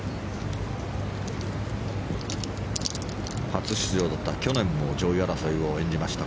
初出場だった去年も上位争いを演じました